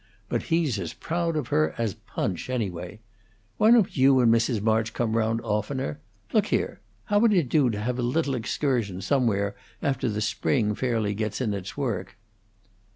But he's as proud of her as Punch, anyway. Why don't you and Mrs. March come round oftener? Look here! How would it do to have a little excursion, somewhere, after the spring fairly gets in its work?"